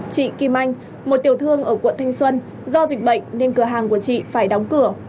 chị kim anh một tiểu thương ở quận thanh xuân do dịch bệnh nên cửa hàng của chị phải đóng cửa